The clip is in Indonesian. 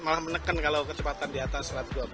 malah menekan kalau kecepatan di atas satu ratus dua puluh